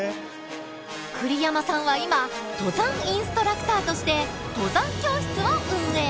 栗山さんは今登山インストラクターとして登山教室を運営。